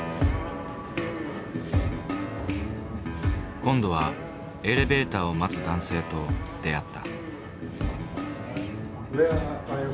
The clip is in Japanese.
今度はエレベーターを待つ男性と出会った。